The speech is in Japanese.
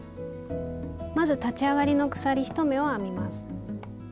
まず立ち上がりの鎖１目を編みます。